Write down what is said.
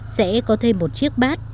sẽ có thêm một chiếc bát